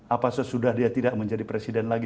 apa sesudah dia tidak menjadi presiden lagi